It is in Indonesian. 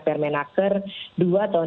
permenager dua tahun dua ribu dua puluh dua